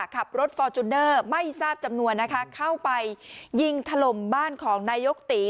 ขับรถฟอร์จูเนอร์ไม่ทราบจำนวนนะคะเข้าไปยิงถล่มบ้านของนายกตี